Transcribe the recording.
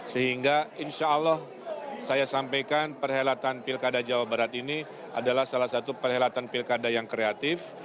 sehingga insya allah saya sampaikan perhelatan pilkada jawa barat ini adalah salah satu perhelatan pilkada yang kreatif